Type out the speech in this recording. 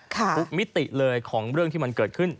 ทุกมิติเลยของเรื่องที่มันเกิดขึ้น